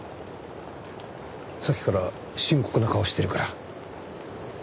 さっきから深刻な顔してるから。